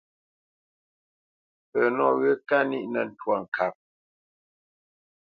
Pə nɔwyə̂ kâ níʼ nə́ nwâ kə̂p.